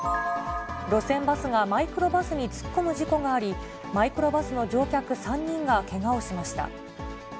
路線バスがマイクロバスに突っ込む事故があり、マイクロバスの乗客３人がけがをしました。